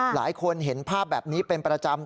หลายคนเห็นภาพแบบนี้เป็นประจำ